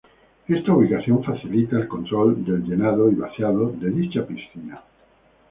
Esta ubicación facilita el control del llenado y vaciado de dichas piscina.